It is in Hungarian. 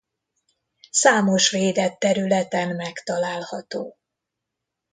Számos védett területen megtalálható.